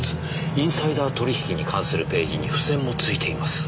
インサイダー取引に関するページに付箋も付いています。